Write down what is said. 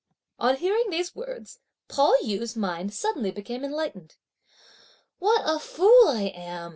On hearing these words, Pao yü's mind suddenly became enlightened. "What a fool I am!"